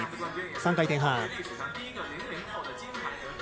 ３回転半。